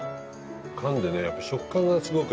かんでねやっぱり食感がすごくいい。